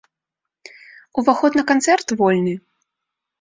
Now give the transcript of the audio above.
Уваход на канцэрт вольны.